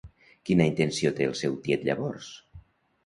Quina intenció té el seu tiet llavors?